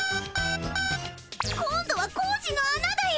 今度は工事のあなだよ。